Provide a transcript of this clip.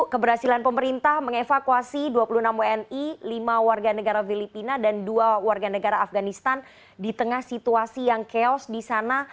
keberhasilan pemerintah mengevakuasi dua puluh enam wni lima warga negara filipina dan dua warga negara afganistan di tengah situasi yang chaos di sana